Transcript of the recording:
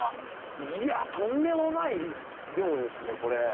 いやとんでもない量ですねこれ。